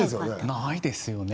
ないですよね？